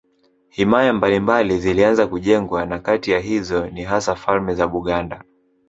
Himaya mbalimbali zilianza kujengwa na kati ya hizo ni hasa falme za Buganda